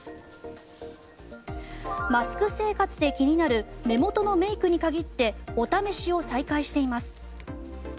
マスク生活で気になる目元のメイクに限ってお試しを再開しています。